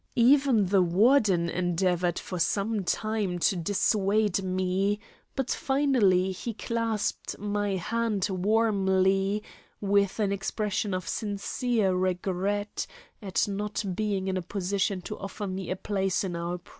Even the Warden endeavoured for some time to dissuade me, but finally he clasped my hand warmly, with an expression of sincere regret at not being in a position to offer me a place in our prison.